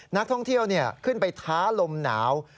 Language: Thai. นักท่องเที่ยวขึ้นไปท้าลมหนาว